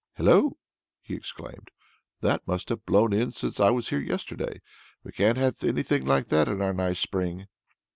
"Hello!" he exclaimed. "That must have blown in since I was here yesterday. We can't have anything like that in our nice spring."